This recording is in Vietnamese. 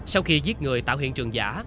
sau khi giết người tạo hiện trường giả